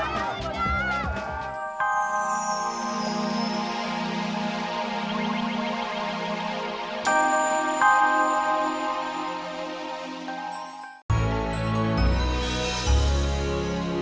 sampai jumpa lagi